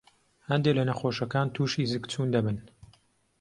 هەندێ لە نەخۆشەکان تووشى زگچوون دەبن.